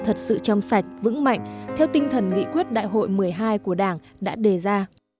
thật sự trong sạch vững mạnh theo tinh thần nghị quyết đại hội một mươi hai của đảng đã đề ra